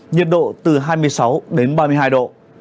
nhiệt độ từ hai mươi sáu đến ba mươi hai độ